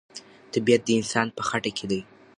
طبیعت د انسان په خټه کې دی.